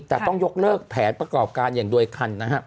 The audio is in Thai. แต่ต้องยกเลิกแผนประกอบการอย่างโดยคันนะฮะ